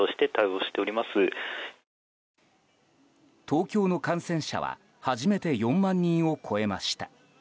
東京の感染者は初めて４万人を超えました。